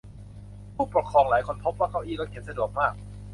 ผู้ปกครองหลายคนพบว่าเก้าอี้รถเข็นสะดวกมาก